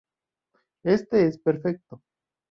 Este es perfecto.